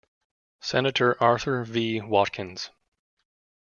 Senator Arthur V. Watkins.